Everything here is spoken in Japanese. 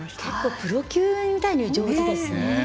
プロ級みたいに上手ですね。